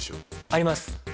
あります